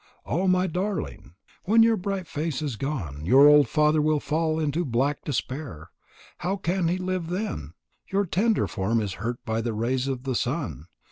Oh, my darling! When your bright face is gone, your old father will fall into black despair. How can he live then? Your tender form is hurt by the rays of the sun.